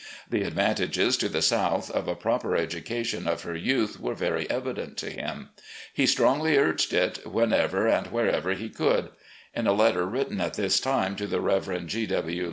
The advantages to the South of a proper education of her youth were very evident to him. He strongly urged it wherever and whenever he could. In a letter written at this time to the Reverend G. W.